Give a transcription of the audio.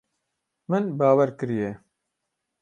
Min bawer kiriye.